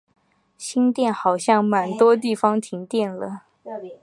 新店好像蛮多地方停电了